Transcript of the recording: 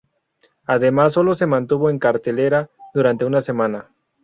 Además solo se mantuvo en cartelera durante una semana.